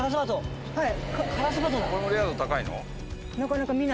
これもレア度高いの？